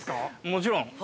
◆もちろん。